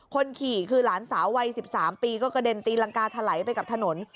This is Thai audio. คนขี่คือหลานสาววัย๑๓ปีก็กระเด็นตีรังกาถลายไปกับถนน